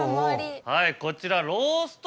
はいこちら。